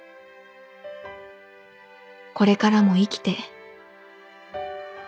これからも生きて